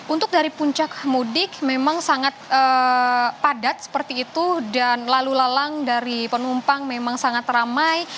untuk dari puncak mudik memang sangat padat seperti itu dan lalu lalang dari penumpang memang sangat ramai